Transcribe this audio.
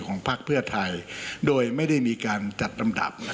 พักเพื่อไทยโดยไม่ได้มีการจัดลำดับ